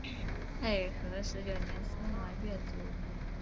太和十九年司马跃卒。